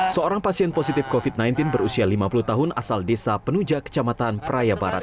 seorang pasien positif covid sembilan belas berusia lima puluh tahun asal desa penuja kecamatan praia barat